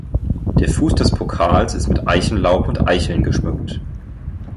Der Fuß des Pokals ist mit Eichenlaub und Eicheln geschmückt.